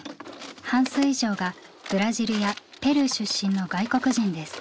半数以上がブラジルやペルー出身の外国人です。